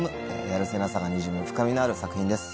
やるせなさがにじむ深みのある作品です。